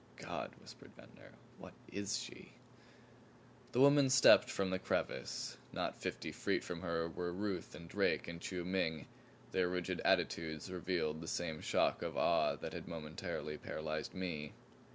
"God!" whispered Ventnor. "What IS she?" The woman stepped from the crevice. Not fifty feet from her were Ruth and Drake and Chiu Ming, their rigid attitudes revealing the same shock of awe that had momentarily paralyzed me.